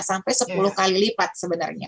sampai sepuluh kali lipat sebenarnya